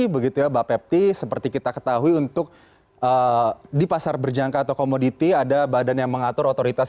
begitu ya bapepti seperti kita ketahui untuk di pasar berjangka atau komoditi ada badan yang mengatur otoritas